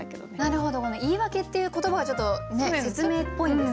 なるほどこの「言い訳」っていう言葉がちょっと説明っぽいんですね。